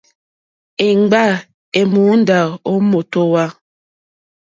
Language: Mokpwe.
Èmgbâ èmùndá ó mǒtówà.